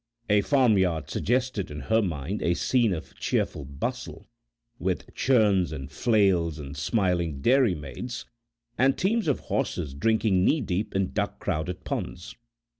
A farmyard suggested in her mind a scene of cheerful bustle, with churns and flails and smiling dairymaids, and teams of horses drinking knee deep in duck crowded ponds.